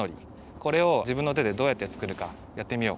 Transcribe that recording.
これをじぶんのてでどうやってつくるかやってみよう。